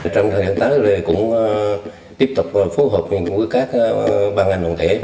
trong thời gian tác chúng tôi cũng tiếp tục phối hợp với các ban ngành bản thể